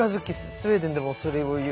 スウェーデンでもそれを言う。